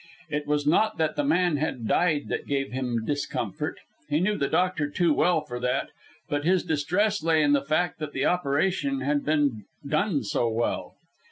It was not that the man had died that gave him discomfort, he knew the Doctor too well for that, but his distress lay in the fact that the operation had been done so well.